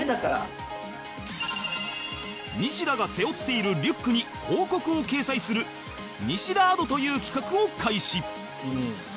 ニシダが背負っているリュックに広告を掲載する「ニシダ・アド」という企画を開始